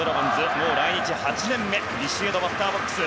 もう来日８年目ビシエドがバッターボックス。